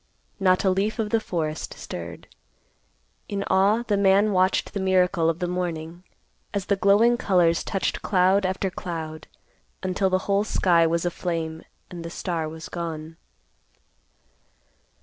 Not a leaf of the forest stirred. In awe the man watched the miracle of the morning, as the glowing colors touched cloud after cloud, until the whole sky was aflame, and the star was gone.